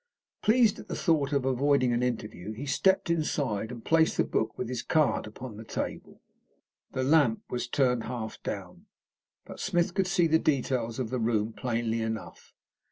Pleased at the thought of avoiding an interview, he stepped inside, and placed the book with his card upon the table. The lamp was turned half down, but Smith could see the details of the room plainly enough.